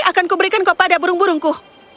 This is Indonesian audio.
akan kuberikan kepada burung burungku